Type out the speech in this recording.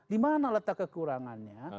dimana letak kekurangannya